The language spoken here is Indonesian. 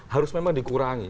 harus memang dikurangi